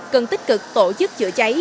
cần tích cực tổ chức chữa cháy